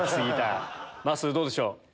まっすーどうでしょう？